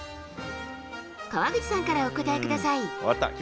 川口さんからお答えください。